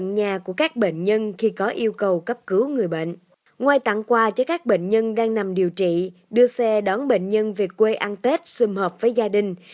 ngoài tặng quà cho các bệnh nhân đang nằm điều trị đưa xe đón bệnh nhân về quê ăn tết xung hợp với gia đình